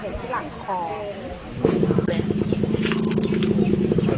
นี่ตัวน่ะ